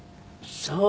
そう。